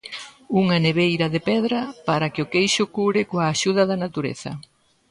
Unha neveira de pedra para que o queixo cure coa axuda da natureza.